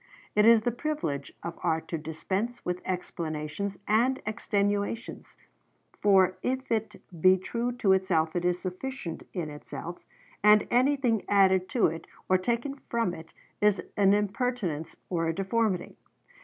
It is the privilege of art to dispense with explanations and extenuations; for if it be true to itself it is sufficient in itself, and anything added to it or taken from it is an impertinence or a deformity.